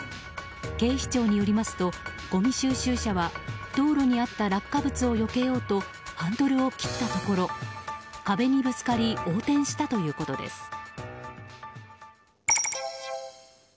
警視庁によりますとごみ収集車は道路にあった落下物をよけようとハンドルを切ったところ壁にぶつかり横転したということです。